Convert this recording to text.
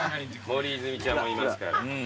森泉ちゃんもいますから。